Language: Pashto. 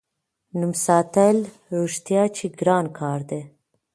نوم ساتل رښتیا چې ګران کار دی.